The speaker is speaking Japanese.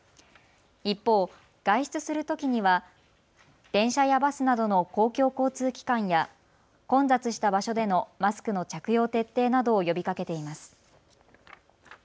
一方、外出するときには、電車やバスなどの公共交通機関や混雑した場所でのマスクの着用徹底などを呼びかけています。